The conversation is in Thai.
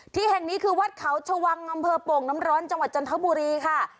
ที่แห่งนี้คือวัดเขาชวังอำเภอโป่งน้ำร้อนจังหวัดจันทบุรีค่ะ